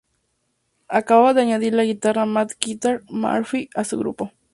Acababa de añadir al guitarra Matt "Guitar" Murphy a su grupo.